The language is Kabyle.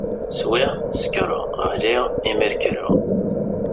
Swiɣ, sekṛeɣ, ɣliɣ, imir kreɣ.